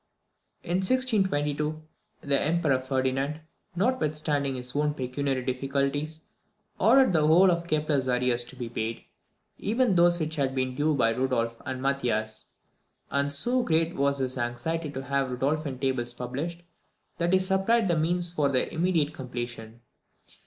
In 1622, the Emperor Ferdinand, notwithstanding his own pecuniary difficulties, ordered the whole of Kepler's arrears to be paid, even those which had been due by Rudolph and Mathias; and so great was his anxiety to have the Rudolphine Tables published, that he supplied the means for their immediate completion.